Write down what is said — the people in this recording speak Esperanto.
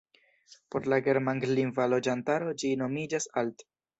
Por la germanlingva loĝantaro ĝi nomiĝas "Alt".